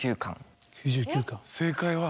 正解は？